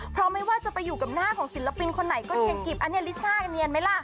เพราะไม่ว่าจะไปอยู่กับหน้าของศิลปินคนไหนก็เนียนกิบอันนี้ลิซ่าเนียนไหมล่ะ